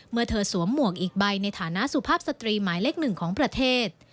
เมื่อเธอสวมหมวกอีกใบในฐานะสุภาพสตรีหมายเล็กหนึ่งของประเทศ